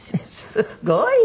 すごいわね。